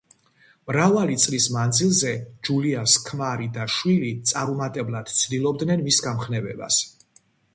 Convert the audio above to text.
მრავალი წლის მანძილზე ჯულიას ქმარი და შვილი წარუმატებლად ცდილობენ მის გამხნევებას.